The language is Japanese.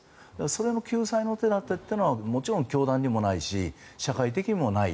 それの救済の手立てというのはもちろん教団にもないし社会的にもない。